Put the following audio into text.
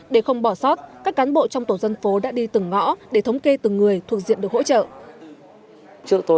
để không bỏ sót các cán bộ trong tổ dân phố đã đi từng ngõ để thống kê từng người thuộc diện được hỗ trợ